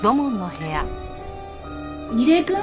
楡井くん？